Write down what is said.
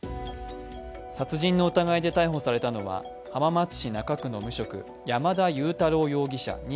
殺人の疑いで逮捕されたのは浜松市中区の無職山田悠太郎容疑者